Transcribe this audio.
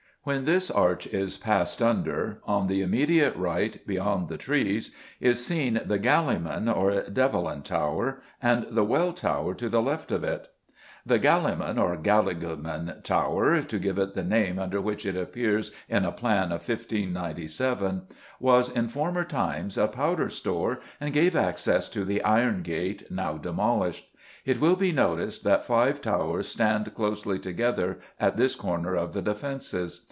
When this arch is passed under, on the immediate right, beyond the trees, is seen the Galleyman or Develin [Illustration: THE TOWER FROM THE TOWER BRIDGE, LOOKING WEST] Tower, and the Well Tower to the left of it The Galleyman, or Galligman Tower to give it the name under which it appears in a plan of 1597 was in former times a powder store and gave access to the "Iron Gate," now demolished. It will be noticed that five towers stand closely together at this corner of the defences.